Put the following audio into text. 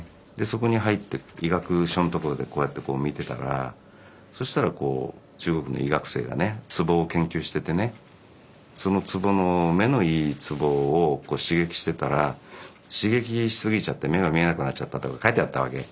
そこに入って医学書の所でこうやって見てたらそしたら中国の医学生がねツボを研究しててねそのツボの目のいいツボを刺激してたら刺激しすぎちゃって目が見えなくなっちゃったとか書いてあったわけ。